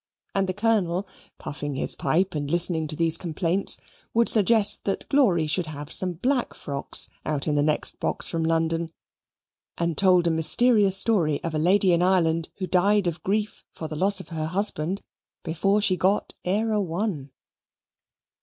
And the Colonel, puffing his pipe and listening to these complaints, would suggest that Glory should have some black frocks out in the next box from London, and told a mysterious story of a lady in Ireland who died of grief for the loss of her husband before she got ere a one.